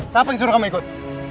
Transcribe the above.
siapa yang suruh kamu ikut